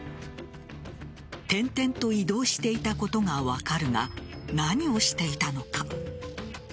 転々と移動していたことが分かるが、何をしていたのか。